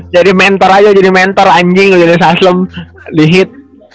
jadi mentor aja jadi mentor anjing udonis haslem di hit